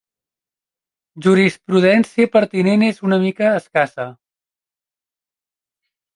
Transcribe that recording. Jurisprudència pertinent és una mica escassa.